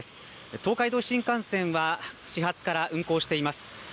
東海道新幹線は始発から運行しています。